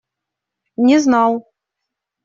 Не знал.